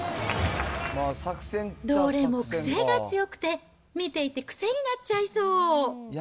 どれも癖が強くて、見ていて癖になっちゃいそう。